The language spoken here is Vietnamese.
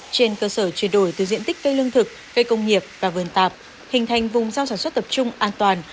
trên cơ sở chuyển đổi từ diện tích cây lương thực cây công nghiệp và vườn tạp hình thành vùng rau sản xuất tập trung an toàn